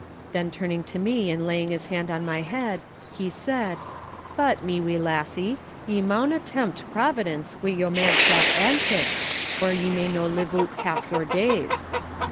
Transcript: '" Then turning to me and laying his hand on my head, he said: "But, me wee lassie, ye mauna tempt Providence wi' your madcap antics, or ye may no live oot half your days."